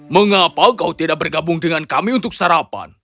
mengapa kau tidak bergabung dengan kami untuk sarapan